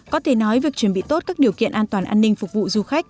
có thể nói việc chuẩn bị tốt các điều kiện an toàn an ninh phục vụ du khách